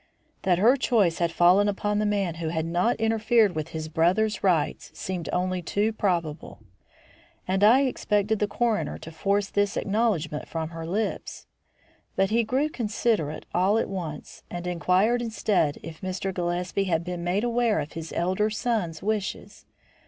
That her choice had fallen upon the man who had not interfered with his brother's rights seemed only too probable, and I expected the coroner to force this acknowledgment from her lips, but he grew considerate all at once and inquired instead if Mr. Gillespie had been made aware of his elder son's wishes.